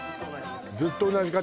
ずっと同じ方？